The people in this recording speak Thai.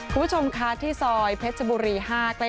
คุณผู้ชมคะที่ซอยเพชรบุรี๕ใกล้